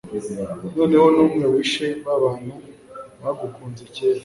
noneho numwe wishe babantu bagukunze kera